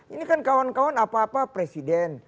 ini kan kawan kawan apa apa presiden